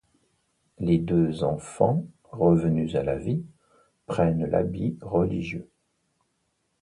Les deux enfants, revenus à la vie, prennent l'habit religieux.